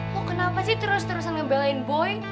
kok kenapa sih terus terusan ngebelain boy